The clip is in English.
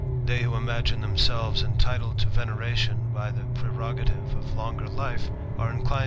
They who imagine themselves entitled to veneration by the prerogative of longer l[fe, are mcIinfiH.